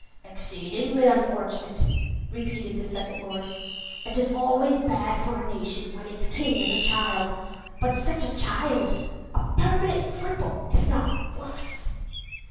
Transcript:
"Exceedingly unfortunate," repeated the second lord. "It is always bad for a nation when its king is a child; but such a child a permanent cripple, if not worse."